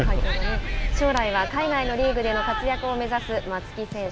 将来は海外のリーグでの活躍を目指す松木選手。